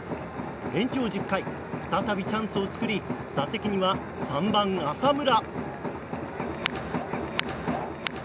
延長１０回、再びチャンスを作り打席には３番、浅村。